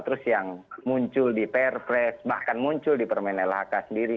terus yang muncul di perpres bahkan muncul di permen lhk sendiri